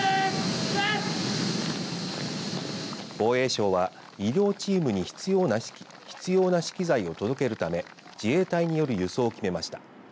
防衛省は医療チームに必要な資機材を届けるため自衛隊による輸送を決めました。